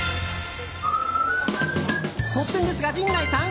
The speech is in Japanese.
突然ですが、陣内さん！